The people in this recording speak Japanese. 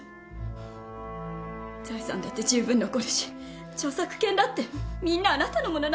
財産だって十分残るし著作権だってみんなあなたのものなんだから。